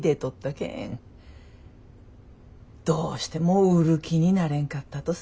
どうしても売る気になれんかったとさ。